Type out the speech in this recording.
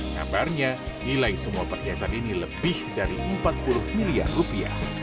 kabarnya nilai semua perhiasan ini lebih dari empat puluh miliar rupiah